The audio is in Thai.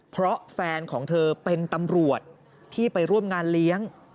เพราะแฟนของเธอเป็นตำรวจที่ไปร่วมงานเลี้ยง